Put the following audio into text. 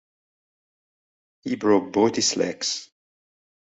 He broke both his legs.